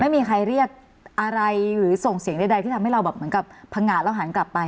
ไม่มีใครเรียกอะไรหรือส่งเสียงใดที่ทำให้เราแบบเหมือนกับพังงะแล้วหันกลับไป